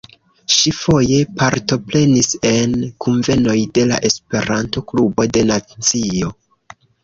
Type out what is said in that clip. Ŝi foje partoprenis en kunvenoj de la Esperanto-Klubo de Nancio.